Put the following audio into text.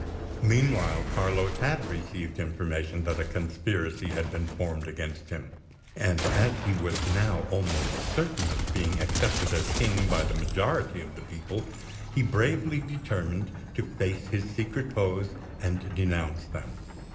Meanwhile, Carlos had received information that a conspiracy had been formed against him; and as he was now almost certain of being accepted as King by the majority of the people, he bravely determined to face his secret foes and denounce them.